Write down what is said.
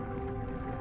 ああ。